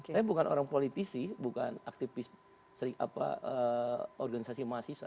saya bukan orang politisi bukan aktivis organisasi mahasiswa